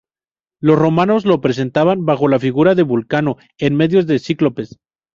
Los romanos lo representaban bajo la figura de Vulcano en medio de los cíclopes.